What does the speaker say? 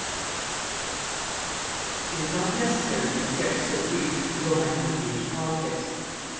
(Duke of Orleans.)] It is not necessary in a sketch so brief to go minutely into politics.